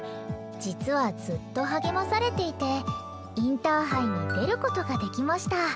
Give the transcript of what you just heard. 「実はずっと励まされていてインターハイに出ることができました。